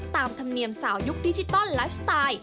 ตามธรรมเนียมสาวยุคดิจิตอลไลฟ์สไตล์